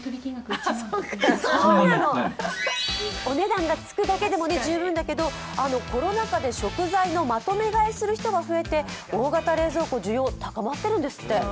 お値段がつくだけでも十分だけどコロナ禍で食材のまとめ買いをする人が増えて大型冷蔵庫の需要が高まってるんですって。